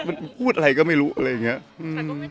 แต่ก็ไม่ได้อะไรแต่ก็เป็นประสาทเด็กน้อยที่เป็นหมอ